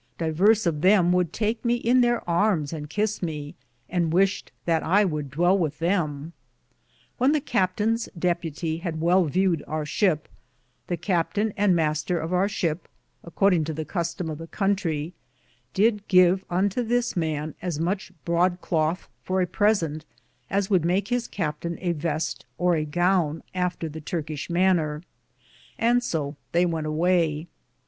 Diveres of them would take me in there armes and kis me, and wyshe that I would dwell with them. When the Captaynes Debutie had well vewed our shipe, the Captaine and Mr. of our shipe, accordinge to the Custam of the contrie, did give unto this man as muche brode clothe for a present, as would make his Captaine a veste or a goune after the Turkic manere ; and so they wente awaye.